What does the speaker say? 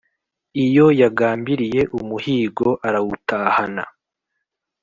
Iyo yagambiriye umuhigo arawutahana